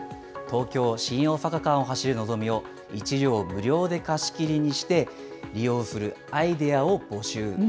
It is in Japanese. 東京・新大阪間を走るのぞみを１両無料で貸し切りにして、利用するアイデアを募集。